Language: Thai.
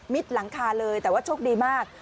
หลังคาเลยแต่ว่าโชคดีมาก